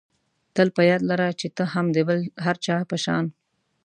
تل په یاد لره چې ته هم د بل هر چا په شان.